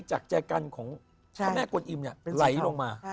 จากจัยกรรณ์ของพระม่าขนอิ่มไหลลงมา